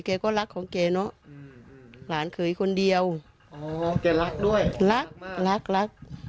ก็รักของแกเนอะหลานเขยคนเดียวอ๋อแกรักด้วยรักรักรักรัก